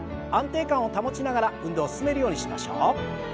安定感を保ちながら運動を進めるようにしましょう。